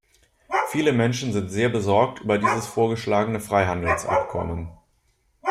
Viele Menschen sind sehr besorgt über dieses vorgeschlagene Freihandelsabkommen.